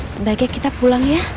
sebaiknya kita pulang ya